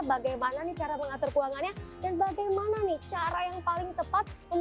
bagaimana cara mengatur keuangannya dan bagaimana nih cara yang paling tepat memanage keuangan